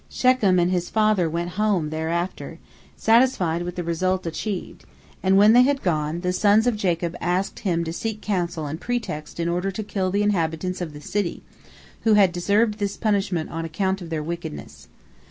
Shechem and his father went home thereafter, satisfied with the result achieved, and when they had gone, the sons of Jacob asked him to seek counsel and pretext in order to kill all the inhabitants of the city, who had deserved this punishment on account of their wickedness.